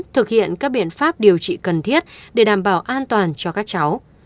thực hiện các biện pháp điều trị cần thiết để đảm bảo an toàn cho các cháu